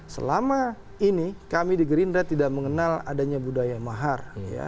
selama ini kami di gerindra tidak mengenal adanya budaya mahar